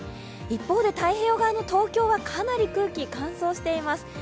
一方で、太平洋側の東京はかなり空気が乾燥しています。